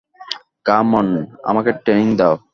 কাম on, আমাকে training দাও।